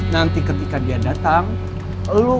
nanti ketika dia datang lu